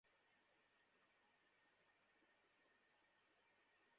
দেশের মামলাজট কমাতে বিকল্প বিরোধ নিষ্পত্তি পদ্ধতি গুরুত্বপূর্ণ ভূমিকা পালন করতে পারে।